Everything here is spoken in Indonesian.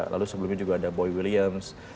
lalu sebelumnya juga ada boy williams